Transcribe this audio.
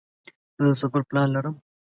زه د سفر پلان لرم.